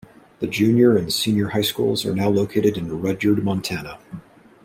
The Junior and Senior high schools are now located in Rudyard, Montana.